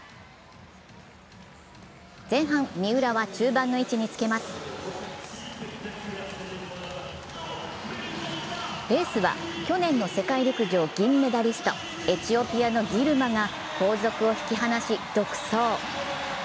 前半、三浦は中盤の位置につけますレースは去年の世界陸上銀メダリスト、エチオピアのギルマが後続を引き離し独走。